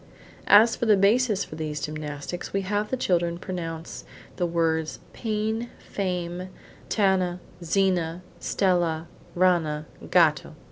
As the basis for these gymnastics we have the children pronounce the words: pane–fame–tana–zina–stella–rana–gatto.